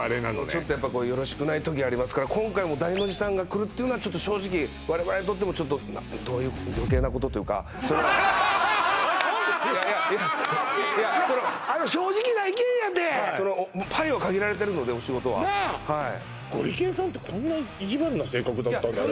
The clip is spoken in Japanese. ちょっとやっぱこうよろしくない時ありますから今回もダイノジさんが来るっていうのはちょっと正直我々にとってもちょっとどういうというかそれは何でいやいやいやそのあの正直な意見やてそのパイは限られてるのでお仕事はなあはいゴリけんさんってこんな意地悪な性格だったんだね